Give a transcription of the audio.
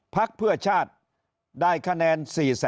พักเพื่อชาติได้คะแนน๔๐๐๐